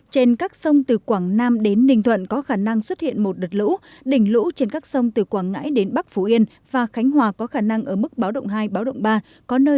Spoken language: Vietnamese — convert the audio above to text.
trên các sông từ quảng nam đến ninh thuận có khả năng xuất hiện một đợt lũ đỉnh lũ trên các sông từ quảng ngãi đến bắc phú yên và khánh hòa có khả năng ở mức báo động hai báo động ba